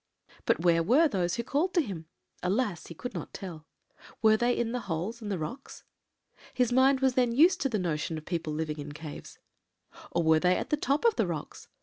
But where were those who called to him? alas! he could not tell. Were they in the holes in the rocks? his mind was then used to the notion of people living in caves or were they at the top of the rocks?